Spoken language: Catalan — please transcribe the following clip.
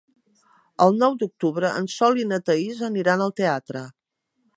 El nou d'octubre en Sol i na Thaís aniran al teatre.